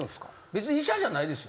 別に医者じゃないですよね？